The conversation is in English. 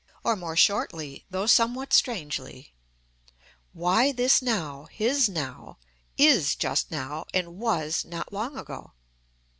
or more shortly, though somewhat strangely: Why this now, his now, is just now and was not long ago?